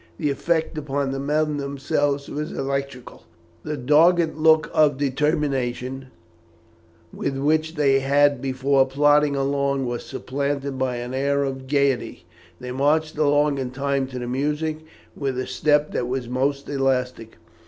The effect upon the men themselves was electrical. The dogged look of determination with which they had before plodded along was supplanted by an air of gaiety. They marched along in time to the music with a step that was almost elastic.